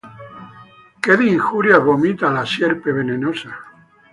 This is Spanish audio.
¡Qué de injurias vomita la Sierpe venenosa!